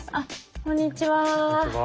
こんにちは。